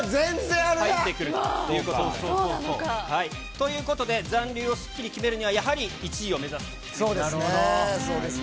入ってくるということもありということで、残留をすっきり決めるには、やはり１位を目指すということにそうですね。